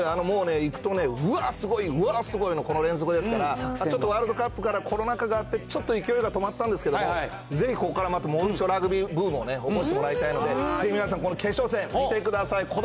もうね、いくとね、うわ、すごい、うわ、すごいの連続ですから、ちょっとワールドカップからコロナ禍があって、ちょっと勢いが止まったんですけれども、ぜひここからまたもう一度ラグビーブームを起こしてもらいたいので、ぜひ皆さん、この決勝戦、見てください。